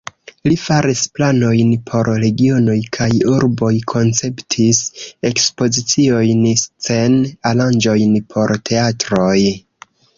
Li faris planojn por regionoj kaj urboj, konceptis ekspoziciojn, scen-aranĝojn por teatroj.